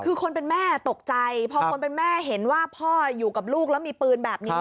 คือคนเป็นแม่ตกใจพอคนเป็นแม่เห็นว่าพ่ออยู่กับลูกแล้วมีปืนแบบนี้